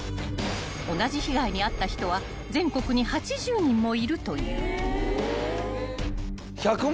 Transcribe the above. ［同じ被害に遭った人は全国に８０人もいるという］